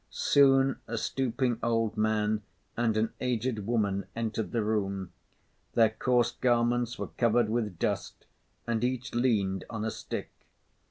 Soon a stooping old man and an aged woman entered the room; their coarse garments were covered with dust and each leaned on a stick.